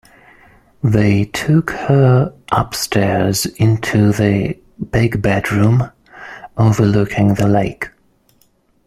They took her upstairs into the big bedroom overlooking the lake.